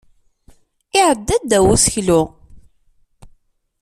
Iɛedda ddaw useklu.